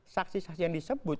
saksi saksi yang disebut